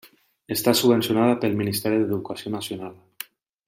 Està subvencionada pel Ministeri d'Educació Nacional.